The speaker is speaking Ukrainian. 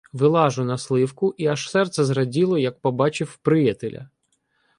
Вилажу на сливку, і аж серце зраділо, як побачив "приятеля".